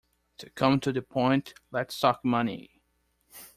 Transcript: To come to the point: let's talk money.